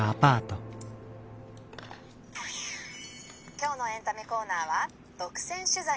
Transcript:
「今日のエンタメコーナーは独占取材。